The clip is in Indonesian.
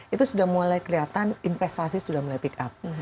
itu sudah mulai kelihatan investasi sudah mulai pick up